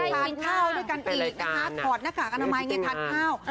ทานข้าวด้วยกันอีกนะคะถอดหน้ากากอนามัยไงทานข้าว